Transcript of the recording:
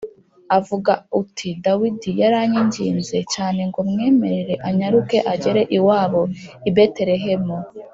uvuga uti ‘Dawidi yaranyinginze cyane ngo mwemerere anyaruke agere iwabo i Betelehemu